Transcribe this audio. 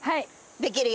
できるよ。